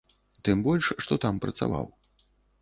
Тым больш што там працаваў.